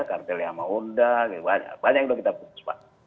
kartel yang mau undang banyak banyak yang sudah kita putus pak